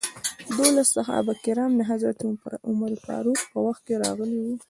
دولس صحابه کرام د حضرت عمر فاروق په وخت کې راغلي وو.